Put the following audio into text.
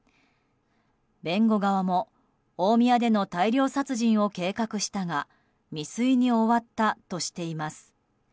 弁護側も大宮での大量殺人を計画したが未遂に終わったとしています。